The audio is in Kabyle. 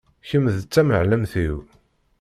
Kem d tamɛellemt-iw.